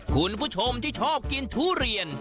คุณผู้ชมที่ชอบกินทุเรียน